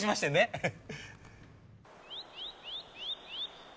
えっ？